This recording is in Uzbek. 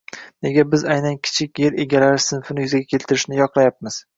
Nega biz aynan kichik yer egalari sinfini yuzaga keltirishni yoqlayapmiz?